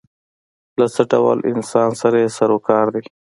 له څه ډول انسان سره یې سر و کار دی.